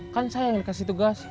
kan saya yang dikasih tugas